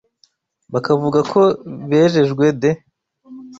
bakavuga ko bejejwe de